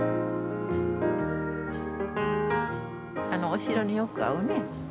お城によく合うね。